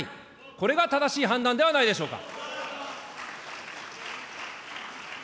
これが正しい判断ではないでしょうか。